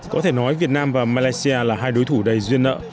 có thể nói việt nam và malaysia là hai đối thủ đầy duyên nợ